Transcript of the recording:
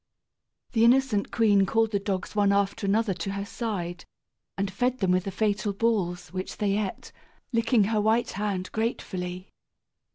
The innocent queen called the dogs one after another to her side, and fed them with the fatal balls, which they ate, licking her white hand gratefully.